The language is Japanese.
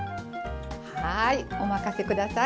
はーい、お任せください。